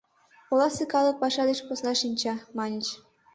«Оласе калык паша деч посна шинча», — маньыч.